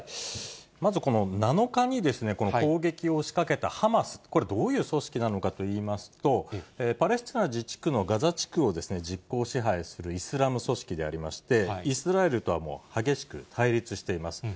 まずこの７日に、この攻撃を仕掛けたハマス、これ、どういう組織なのかといいますと、パレスチナ自治区のガザ地区を実効支配するイスラム組織でありまして、イスラエルとはもう激しく対立しています。